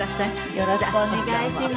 よろしくお願いします。